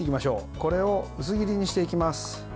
これを薄切りにしていきます。